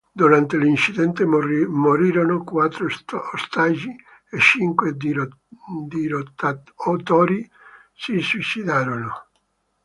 Durante l'incidente morirono quattro ostaggi e cinque dirottatori si suicidarono.